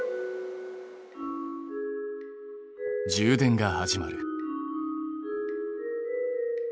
充電が始まる。